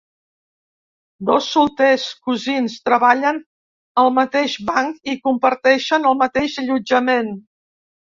Dos solters, cosins, treballen al mateix banc i comparteixen el mateix allotjament.